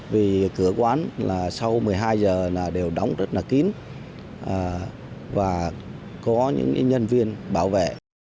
vì cửa quán là sau một mươi hai giờ là đều đóng rất là kín và có những nhân viên bảo vệ